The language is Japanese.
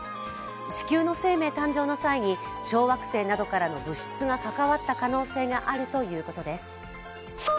地球の生命誕生の際に小惑星などからの物質が関わった可能性があるということです。